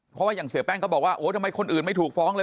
เพราะว่าอย่างเสียแป้งก็บอกว่าโอ้ทำไมคนอื่นไม่ถูกฟ้องเลย